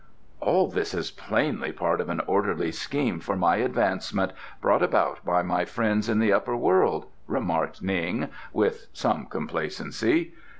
"All this is plainly part of an orderly scheme for my advancement, brought about by my friends in the Upper World," remarked Ning, with some complacency.